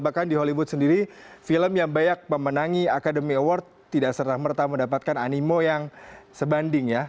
bahkan di hollywood sendiri film yang banyak memenangi academy award tidak serta merta mendapatkan animo yang sebanding ya